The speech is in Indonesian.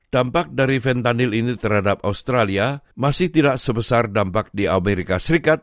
dampak dari fentanyl ini terhadap australia masih tidak sebesar dampak di amerika serikat